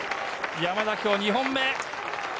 山田、今日２本目。